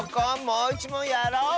もういちもんやろう！